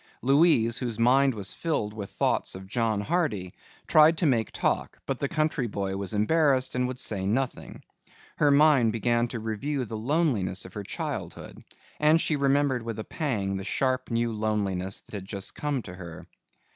Louise, whose mind was filled with thoughts of John Hardy, tried to make talk but the country boy was embarrassed and would say nothing. Her mind began to review the loneliness of her childhood and she remembered with a pang the sharp new loneliness that had just come to her.